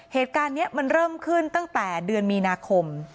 เหตุการณ์นี้มันเริ่มขึ้นตั้งแต่เดือนมีนาคม